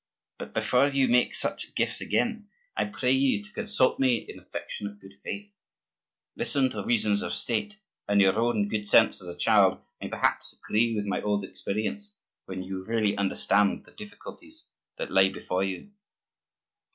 But before you make such gifts again, I pray you to consult me in affectionate good faith. Listen to reasons of state; and your own good sense as a child may perhaps agree with my old experience, when you really understand the difficulties that lie before you."